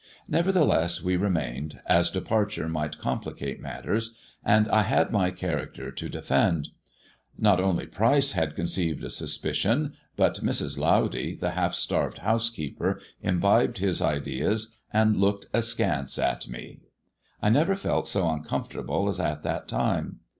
Never theless we remained, as departure might complicate matters, and I had my character to defend. Not only Pryce had conceived a suspicion, but Mrs. Lowdy, the half starved housekeeper, imbibed his ideas, and looked askance at me. I never felt so uncomfortable as at that time.